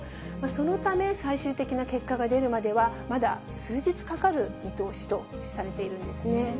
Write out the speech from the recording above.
そのため最終的な結果が出るまでは、まだ数日かかる見通しとされているんですね。